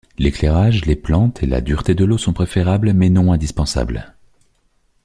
L'éclairage, les plantes, et la dureté de l'eau sont préférables, mais non indispensables.